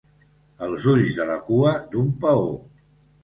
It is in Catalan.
Els ulls de la cua d'un paó.